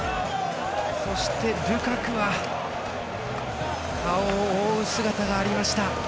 そしてルカクは顔を覆う姿がありました。